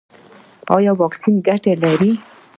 ایا واکسین ګټه لري؟